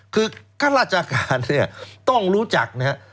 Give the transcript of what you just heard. คือข้าราชการเนี่ยต้องรู้จักนะครับ